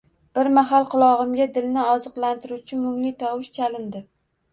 Bir mahal qulog‘imga dilni orziqtiruvchi mungli tovush chalindi.